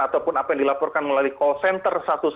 ataupun apa yang dilaporkan melalui call center satu ratus dua belas